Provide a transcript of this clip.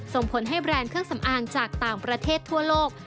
ส่งผลให้แบรนด์เครื่องสำอางจากต่างประเทศทั่วโลก